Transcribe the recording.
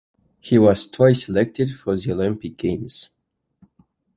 He was twice selected for the Olympic Games.